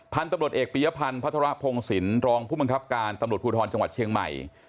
พันธุ์ตำรวจเอกปียพันธ์พัฒระพงศิลป์รองผู้บังคับการตำรวจภูทรจังหวัดเชียงใหม่